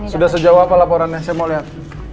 sudah sejauh apa laporannya saya mau lihat